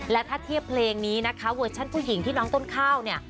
และถ้าเทียบเพลงนี้นะคะเวอร์ชั่นผู้หญิงที่น้องต้นข้าวเนี่ย